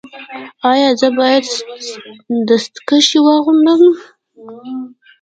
ایا زه باید دستکشې واغوندم؟